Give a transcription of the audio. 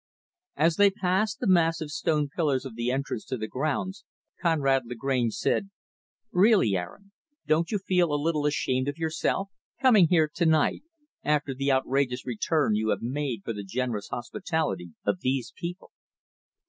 As they passed the massive, stone pillars of the entrance to the grounds, Conrad Lagrange said, "Really, Aaron, don't you feel a little ashamed of yourself? coming here to night, after the outrageous return you have made for the generous hospitality of these people?